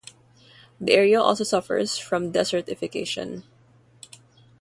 The area also suffers from desertification.